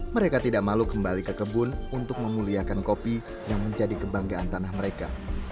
mereka tidak malu kembali ke kebun untuk memuliakan kopi yang menjadi kebanggaan tanah mereka